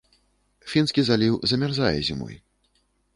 Фінскі заліў замярзае зімой.